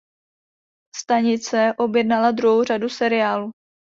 Stanice objednala druhou řadu seriálu.